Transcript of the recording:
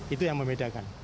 itu yang membedakan